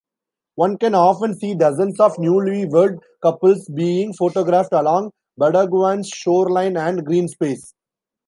One can often see dozens of newlywed-couples being photographed along Badaguan's shoreline and greenspace.